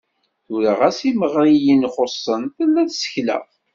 Tura ɣas imeɣriyen xuṣṣen, tella tsekla.